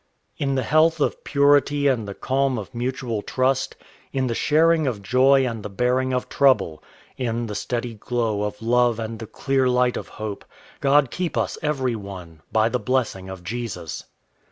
In the health of purity and the calm of mutual trust, In the sharing of joy and the bearing of trouble, In the steady glow of love and the clear light of hope, God keep us every one, by the blessing of Jesus.